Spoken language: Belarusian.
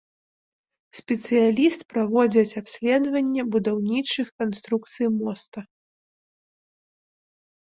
Спецыяліст праводзяць абследаванне будаўнічых канструкцый моста.